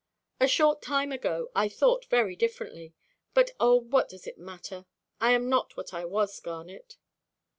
A short time ago I thought very differently. But oh! what does it matter? I am not what I was, Garnet."